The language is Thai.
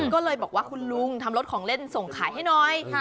ก็เลยบอกว่าคุณลุงทำรถของเล่นส่งขายให้หน่อย